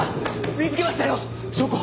見つけましたよ証拠！